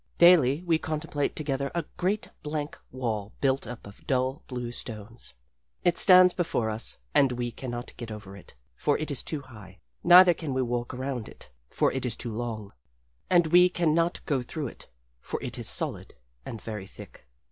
Daily we contemplate together a great, blank wall built up of dull, blue stones. It stands before us and we can not get over it, for it is too high; neither can we walk around it, for it is too long; and we can not go through it, for it is solid and very thick.